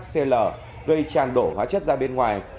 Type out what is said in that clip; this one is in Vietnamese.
xe lở gây tràn đổ hóa chất ra bên ngoài